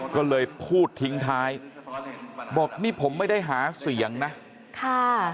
ก็เลยพูดทิ้งท้ายบอกนี่ผมไม่ได้หาเสียงนะค่ะ